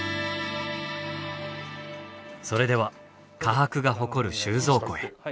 それでは科博が誇る収蔵庫へ。